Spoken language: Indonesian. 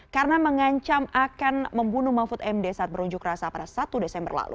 karena mengancam akan membunuh mahfud md saat berunjuk rasa pada satu desember lalu